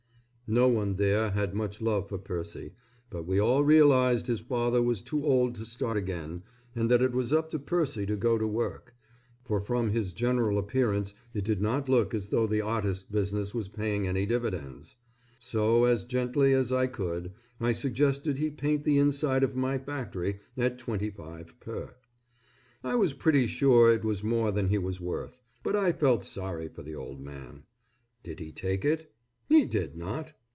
No one there had much love for Percy, but we all realized his father was too old to start again and that it was up to Percy to go to work, for from his general appearance it did not look as though the artist business was paying any dividends. So as gently as I could, I suggested he paint the inside of my factory at $25 per. I was pretty sure it was more than he was worth, but I felt sorry for the old man. Did he take it? He did not.